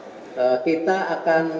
dan ini adalah proses yang harus diperlukan